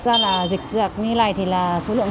do dịch dạng như này thì số lượng